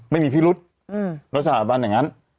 ไม่มีพิรุษแล้วสถาบันอย่างนั้น